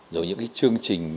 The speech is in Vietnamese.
rồi những cái chương trình